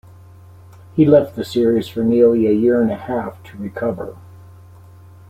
He left the series for nearly a year and a half to recover.